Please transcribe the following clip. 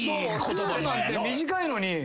トゥース！なんて短いのに。